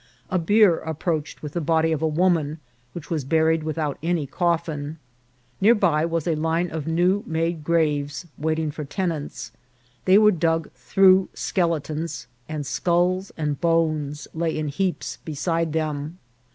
A bier approached with the body of a woman, which was buried without any coffin. Near by was a line of new made graves waiting for tenants. They were dug through skeletons, and sculls and bones lay in heaps be side them.